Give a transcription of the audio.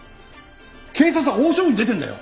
警察は大勝負に出てるんだよ！